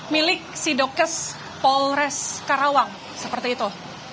milik si dokter polres karawang seperti itu